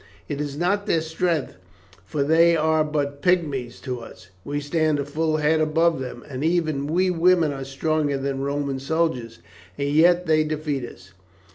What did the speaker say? "It is not their strength, for they are but pigmies to us. We stand a full head above them, and even we women are stronger than Roman soldiers, and yet they defeat us.